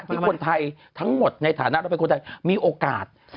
ที่คนไทยทั้งหมดในฐานะเราเป็นคนไทยมีโอกาส